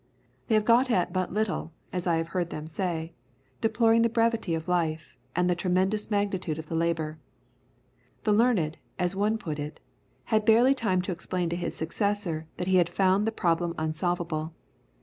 They have got at but little, as I have heard them say, deploring the brevity of life, and the tremendous magnitude of the labour. The learned, as one put it, had barely time to explain to his successor that he had found the problem unsolvable.